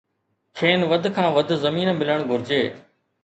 کين وڌ کان وڌ زمين ملڻ گهرجي